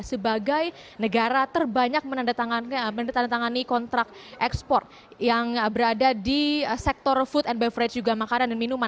sebagai negara terbanyak menandatangani kontrak ekspor yang berada di sektor food and beverage juga makanan dan minuman